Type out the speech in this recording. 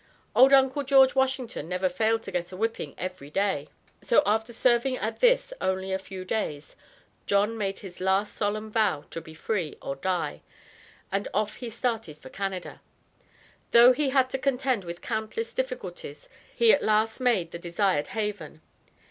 "Old Uncle George Washington never failed to get a whipping every day." So after serving at this only a few days, John made his last solemn vow to be free or die; and off he started for Canada. Though he had to contend with countless difficulties he at last made the desired haven.